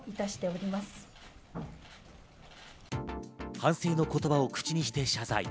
反省の言葉を口にして謝罪。